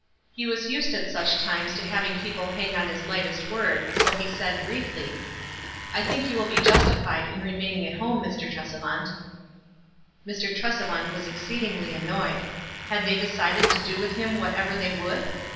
He was used at such times to having people hang on his lightest word, so he said, briefly,— " I think you will be justified in remaining at home, Mr. Tresevant." Mr. Tresevant was exceedingly annoyed. Had they decided to do with him whatever they would